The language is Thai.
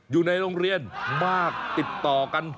อยู่ในโรงเรียนมากติดต่อกัน